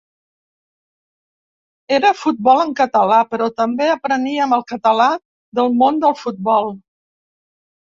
Era futbol en català però també apreníem el català del món del futbol.